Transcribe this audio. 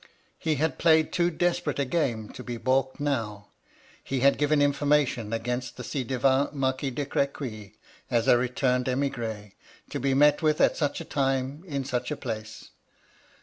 He had played too desperate a game to be baulked now. He had given information against the 9i devant Marquis de Crequy, as a returned emigre, to be met with at such a time, in such a place.